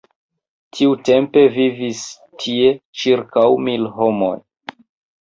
Tiutempe vivis tie ĉirkaŭ mil homoj.